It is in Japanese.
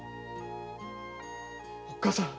おっかさん？